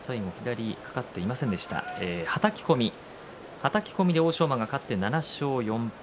はたき込みで欧勝馬が勝って７勝４敗。